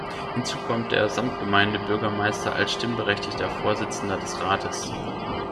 Hinzu kommt der Samtgemeindebürgermeister als stimmberechtigter Vorsitzender des Rates.